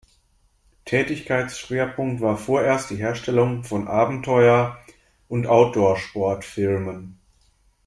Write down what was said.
Tätigkeitsschwerpunkt war vorerst die Herstellung von Abenteuer- und Outdoor-Sport-Filmen.